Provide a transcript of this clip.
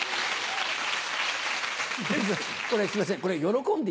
これすいません